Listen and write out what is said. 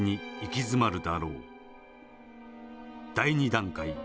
第２段階。